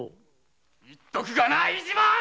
言っとくがな飯島！